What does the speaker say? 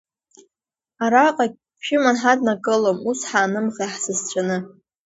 Араҟагь ԥшәыман ҳаднакылом, ус ҳаанымхеи ҳсасцәаны.